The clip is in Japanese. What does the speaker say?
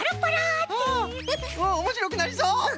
おもしろくなりそう！